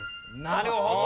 なるほど。